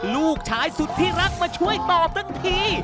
ลูกชายสุดที่รักมาช่วยตอบทั้งที